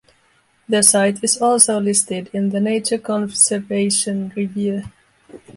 The site is also listed in the Nature Conservation Review.